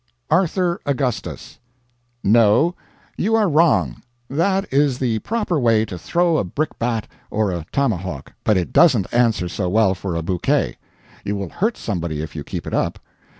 "ARTHUR AUGUSTUS." No; you are wrong; that is the proper way to throw a brickbat or a tomahawk; but it doesn't answer so well for a bouquet; you will hurt somebody if you keep it up.